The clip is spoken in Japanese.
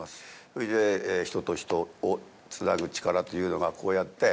それで人と人をつなぐ力というのがこうやって。